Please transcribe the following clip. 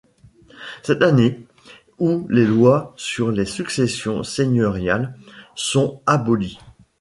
C’est l’année où les lois sur les successions seigneuriales sont abolies.